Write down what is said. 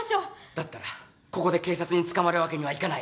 だったらここで警察に捕まるわけにはいかない。